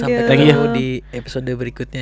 sampai ketemu di episode berikutnya